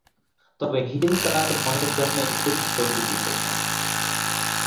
তবে হিল তাঁর বোনের জন্যেই অধিক পরিচিত পেয়েছেন।